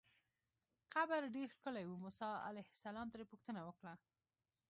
قبر ډېر ښکلی و، موسی علیه السلام ترې پوښتنه وکړه.